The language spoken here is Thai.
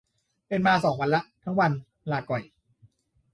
เป็นมาสองวันละ ทั้งวัน ลาก่อย